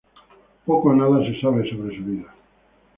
Poco o nada se sabe sobre su vida.